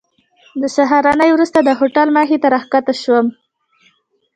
د سهارنۍ وروسته د هوټل مخې ته راښکته شوم.